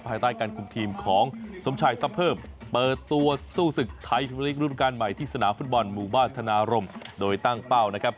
ภายใต้การคุมทีมของสมชายซับเพิ่มเปิดตัวสู้ศึกไทยพิมลิกรุ่นการใหม่ที่สนามฟุตบอลหมู่บ้านธนารมโดยตั้งเป้านะครับ